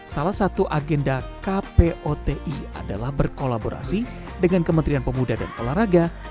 salah satu agenda kpoti adalah berkolaborasi dengan kementerian pemuda dan olahraga